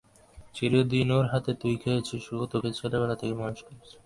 চিরদিন ওর হাতে তুই খেয়েছিস– ও তোকে ছেলেবেলা থেকে মানুষ করেছে।